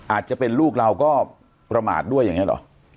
อาจจะเป็นลูกเราก็ประมาทด้วยอย่างนี้หรอ